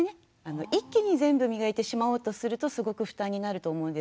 一気に全部磨いてしまおうとするとすごく負担になると思うんですけど。